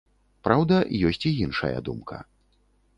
Праўда, ёсць і іншая думка.